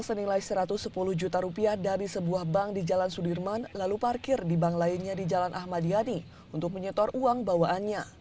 korban yang baru saja mengambil uang senilai rp satu ratus sepuluh juta dari sebuah bank di jalan sudirman lalu parkir di bank lainnya di jalan ahmadiyani untuk menyetor uang bawaannya